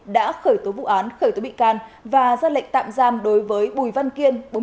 đã khởi tố vụ án khởi tố bị can và ra lệnh tạm giam đối với bùi văn kiên